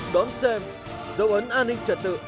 đón xem dấu ấn an ninh trật tự hai nghìn một mươi tám